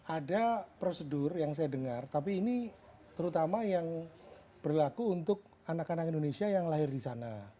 ada prosedur yang saya dengar tapi ini terutama yang berlaku untuk anak anak indonesia yang lahir di sana